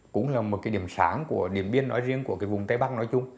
cũng là một điểm sáng của điện biên nói riêng của vùng tây bắc nói chung